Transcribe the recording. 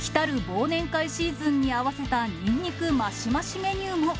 忘年会シーズンに合わせたニンニクマシマシメニューも。